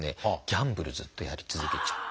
ギャンブルずっとやり続けちゃう。